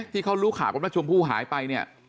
ที่เขารู้ขาบว่าชมพูหายไป